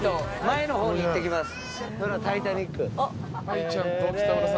前の方に行ってきます。